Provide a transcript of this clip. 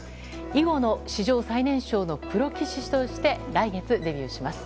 囲碁の史上最年少のプロ棋士として来月デビューします。